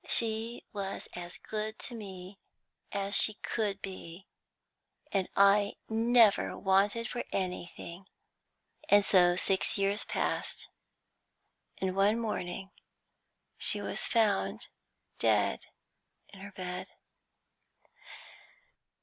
She was as good to me as she could be, and I never wanted for anything. And so six years passed, and one morning she was found dead in her bed.